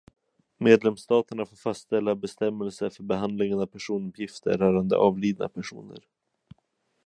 Medlemsstaterna får fastställa bestämmelser för behandlingen av personuppgifter rörande avlidna personer.